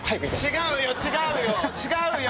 違うよ違うよ！